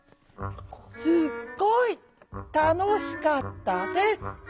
「すっごいたのしかったです」。